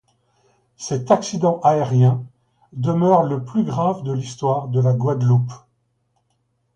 Cet accident aérien demeure le plus grave de l'histoire de la Guadeloupe.